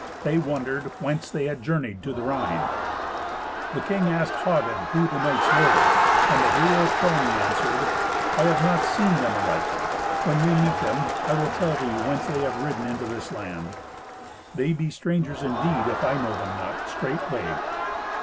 They wondered whence they had journeyed to the Rhine. The king asked Hagen who the knights were, and the hero of Trony answered, "I have not seen them aright. When we meet them, I will tell thee whence they have ridden into this land. They be strangers indeed if I know them not straightway."